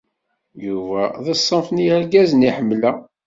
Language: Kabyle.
Yuba d ṣṣenf n yergazen i ḥemmleɣ.